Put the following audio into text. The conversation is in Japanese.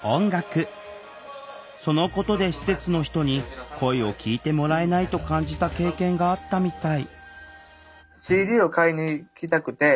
そのことで施設の人に声を聴いてもらえないと感じた経験があったみたい